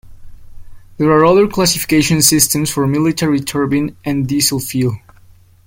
There are other classification systems for military turbine and diesel fuel.